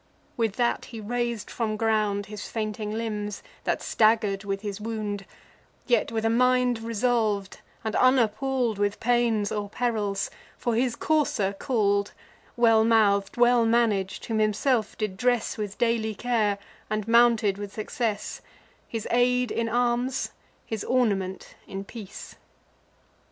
With that he rais'd from ground His fainting limbs, that stagger'd with his wound; Yet, with a mind resolv'd, and unappall'd With pains or perils, for his courser call'd Well mouth'd, well manag'd, whom himself did dress With daily care, and mounted with success; His aid in arms, his ornament in peace.